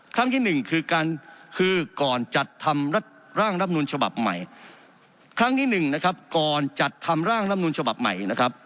ครั้งที่๑คือก่อนจัดทำร่างรัฐมนุนฉบับใหม่